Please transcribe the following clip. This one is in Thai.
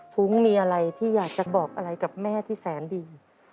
ฟุ้งมีอะไรที่อยากจะบอกอะไรกับแม่ที่แสนดี